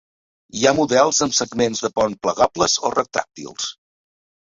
Hi ha models amb segments de pont plegables o retràctils.